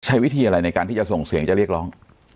ใช้วิธีอะไรในการที่จะส่งเสียงจะเรียกร้อง